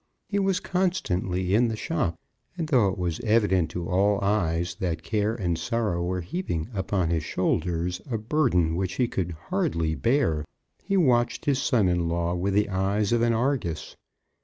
He was constantly in the shop, and though it was evident to all eyes that care and sorrow were heaping upon his shoulders a burden which he could hardly bear, he watched his son in law with the eyes of an Argus.